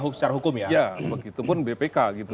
secara hukum ya ya begitu pun bpk